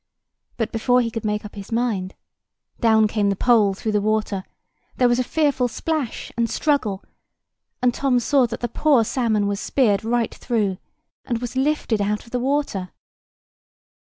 But before he could make up his mind, down came the pole through the water; there was a fearful splash and struggle, and Tom saw that the poor salmon was speared right through, and was lifted out of the water.